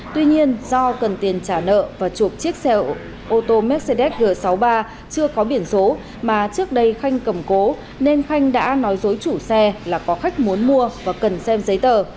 tuy nhiên do cần tiền trả nợ và chuộc chiếc xe ô tô mercedes g sáu mươi ba chưa có biển số mà trước đây khanh cầm cố nên khanh đã nói dối chủ xe là có khách muốn mua và cần xem giấy tờ